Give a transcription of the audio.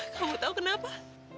kamu tahu kenapa